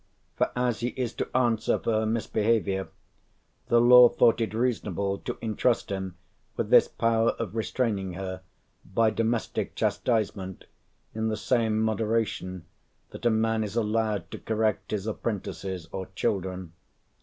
For as he is to answer for her misbehaviour, the law thought it reasonable to entrust him with this power of restraining her, by domestic chastisement, in the same moderation that a man is allowed to correct his apprentices or children.